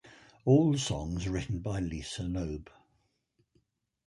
All songs written by Lisa Loeb.